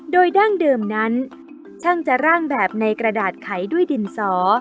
โดยดั้งเดิมนั้นช่างจะร่างแบบในกระดาษไขด้วยดินสอ